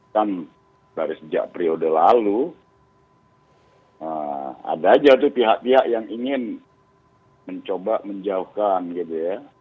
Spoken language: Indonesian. kan dari sejak periode lalu ada aja tuh pihak pihak yang ingin mencoba menjauhkan gitu ya